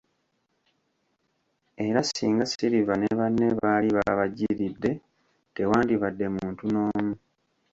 Era singa Silver ne banne baali babajjiridde tewandibadde muntu n'omu.